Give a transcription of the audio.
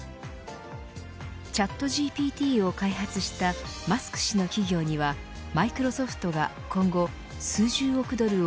ＣｈａｔＧＰＴを開発したマスク氏の企業にはマイクロソフトが今後数十億ドルを